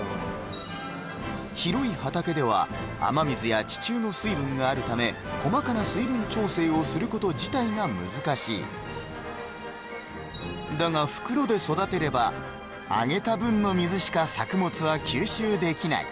広い畑では雨水や地中の水分があるため細かな水分調整をすること自体が難しいだが袋で育てればあげた分の水しか作物は吸収できない